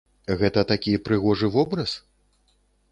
Гэта такі прыгожы вобраз?